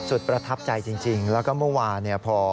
ประทับใจจริงแล้วก็เมื่อวานเนี่ยพอ